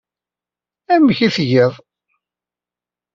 Amek ay tgiḍ?